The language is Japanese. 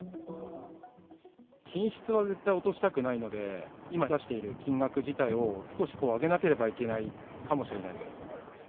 品質は絶対落としたくないので、今、出している金額自体を少し上げなければいけないかもしれないです。